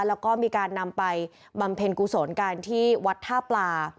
แล้วก็มีการนำไปบำเพ็ญกุศลกันที่วัดท่าปลา